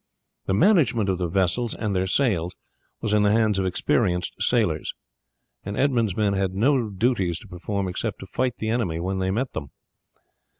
The management of the vessels and their sails was in the hands of experienced sailors, and Edmund's men had no duties to perform except to fight the enemy when they met them.